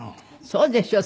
そうでしょう。